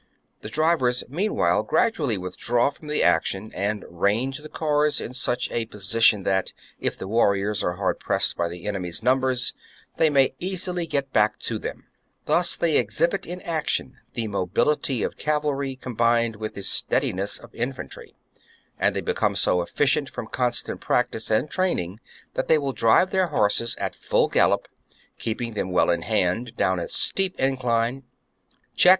The drivers meanwhile gradually withdraw from the action, and range the cars in such a position that, if the warriors are hard pressed by the enemy's numbers, they may easily get back to them. / Thus they exhibit in action the mobility of cavalry combined with the steadiness of infantry ; and they become so efficient from constant practice and training that they will drive their horses at full gallop, keeping them well in hand, down a steep incline, check and turn "^ See my article on "The War Chariots of the Britons" {Ancient Britain, pp.